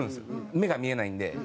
目が見えないんで。